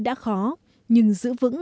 đã khó nhưng giữ vững